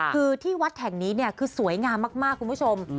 คือที่วัดแห่งนี้เนี่ยคือสวยงามมากคุณผู้ชม